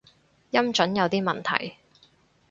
音準有啲問題